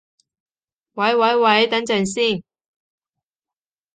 喂喂喂，等陣先